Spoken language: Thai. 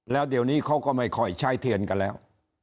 แล้วเดี๋ยวนี้เขาก็ไม่ค่อยใช้เทียนกันแล้ว